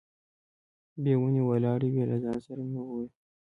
یې ونې ولاړې وې، له ځان سره مې وویل.